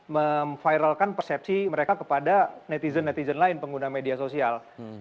memviralkan persepsi mereka kepada netizen netizen lain pengguna media sosial